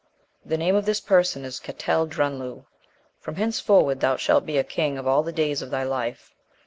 The name of this person is Catel Drunlue:* "from henceforward thou shalt be a king all the days of thy life."